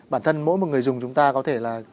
bản thân mỗi một người dùng chúng ta có thể là